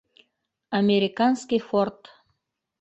Американский форд.